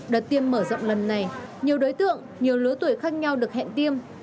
đợt tiêm mở rộng lần này nhiều đối tượng nhiều lứa tuổi khác nhau được hẹn tiêm